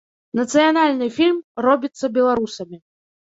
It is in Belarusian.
Нацыянальны фільм робіцца беларусамі.